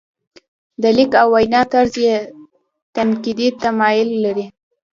د لیک او وینا طرز یې تنقیدي تمایل لري.